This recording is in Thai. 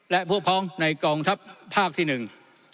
และพวกพ้องในกองทัพภาคที่หนึ่ง